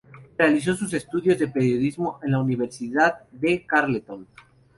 Realizó sus estudios de periodismo en la Universidad de Carleton.